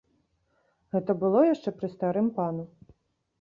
Гэта было яшчэ пры старым пану.